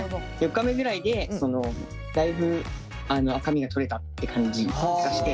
４日目ぐらいでだいぶ赤みが取れたって感じがして。